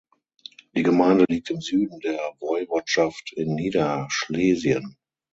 Die Gemeinde liegt im Süden der Woiwodschaft in Niederschlesien.